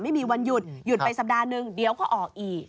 ไม่มีวันหยุดหยุดไปสัปดาห์นึงเดี๋ยวก็ออกอีก